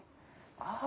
ああ！